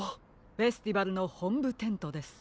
フェスティバルのほんぶテントです。